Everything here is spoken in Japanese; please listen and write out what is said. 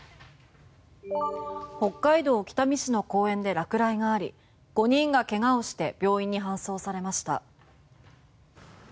北海道北見市の公園で落雷があり５人がけがをして病院に搬送されました。